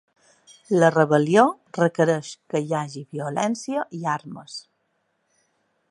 La rebel·lió requereix que hi hagi violència i armes.